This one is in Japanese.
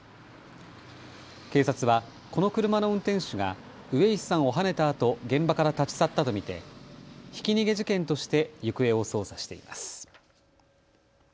警察はこの車の運転手が上石さんをはねたあと現場から立ち去ったと見てひき逃げ事件として行方を捜査しています。